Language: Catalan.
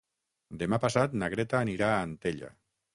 Demà passat na Greta anirà a Antella.